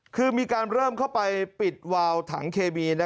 คือมีการเริ่มเข้าไปปิดวาวถังเคมี